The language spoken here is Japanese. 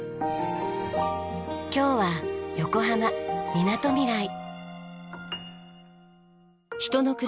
今日は横浜みなとみらい。